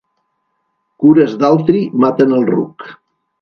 Cures d'altri maten el ruc.